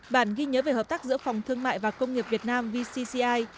bản ghi nhớ về hợp tác giữa phòng thương mại và công nghiệp việt nam vcci